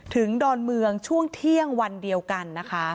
ถึงดอนเมืองช่วงเที่ยงวันเดียวกัน